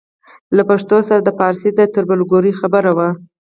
له پښتو سره د پارسي د تربورګلوۍ خبره وه.